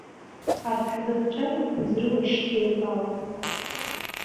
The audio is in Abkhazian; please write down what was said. Арҭ ҳзыхцәажәақәаз рыла шьҭа еилкаауп.